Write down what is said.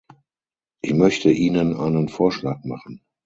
Ich möchte Ihnen einen Vorschlag machen.